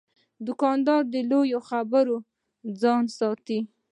دوکاندار د لویو خبرو نه ځان ساتي.